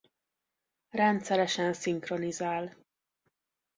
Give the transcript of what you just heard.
Rendszeresen szinkronizál.